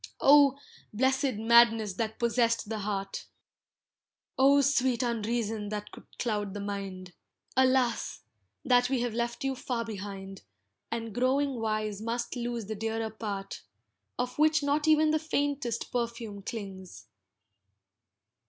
Oh! blessed madness that possessed the heart, Oh! sweet unreason that could cloud the mind, Alas! that we have left you far behind, And growing wise must lose the dearer part, Of which not even the faintest perfume clings.